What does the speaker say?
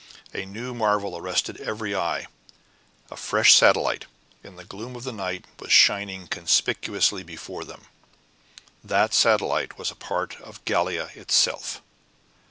A new marvel arrested every eye. A fresh satellite, in the gloom of night, was shining conspicuously before them. That satellite was a part of Gallia itself!